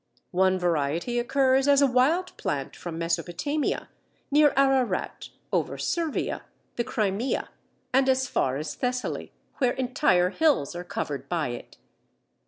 One variety occurs as a wild plant from Mesopotamia, near Ararat, over Servia, the Crimea, and as far as Thessaly, where entire hills are covered by it.